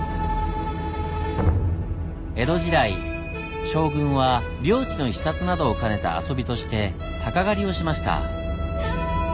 江戸時代将軍は領地の視察などを兼ねた遊びとして鷹狩りをしました。